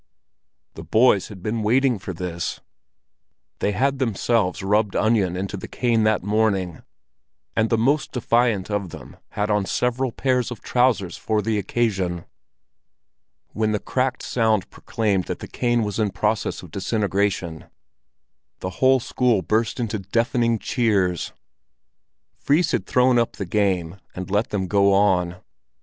The boys had been waiting for this; they had themselves rubbed onion into the cane that morning, and the most defiant of them had on several pairs of trousers for the occasion. When the cracked sound proclaimed that the cane was in process of disintegration, the whole school burst into deafening cheers. Fris had thrown up the game, and let them go on.